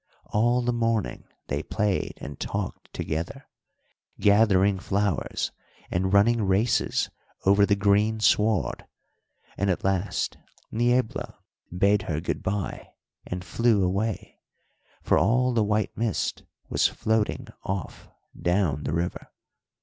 All the morning they played and talked together, gathering flowers and running races over the green sward: and at last Niebla bade her good bye and flew away, for all the white mist was floating off down the river.